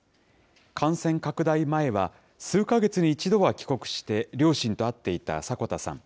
感染拡大前は数か月に一度は帰国して、両親と会っていた迫田さん。